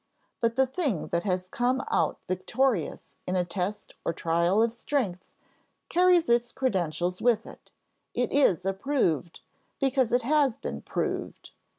But the thing that has come out victorious in a test or trial of strength carries its credentials with it; it is approved, because it has been proved.